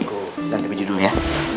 aku ganti baju dulu ya